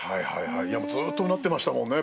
ずっとうなってましたもんね